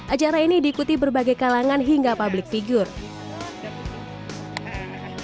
acara ini diikuti berbagai kalangan hingga public figure